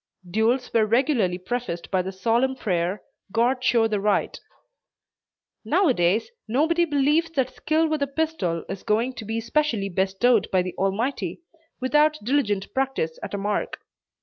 Duels were regularly prefaced by the solemn prayer "God show the right." Now a days nobody believes that skill with a pistol is going to be specially bestowed by the Almighty, without diligent practice at a mark.